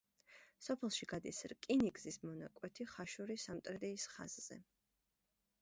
სოფელში გადის რკინიგზის მონაკვეთი ხაშური-სამტრედიის ხაზზე.